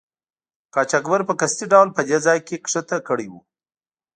قاچاقبر په قصدي ډول په دې ځای کې ښکته کړي وو.